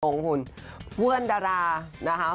โอ้คุณพื้นดารานะครับ